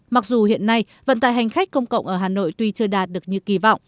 mặc dù hiện nay vận tài hành khách công cộng ở hà nội tuy chưa đạt được như kỳ vọng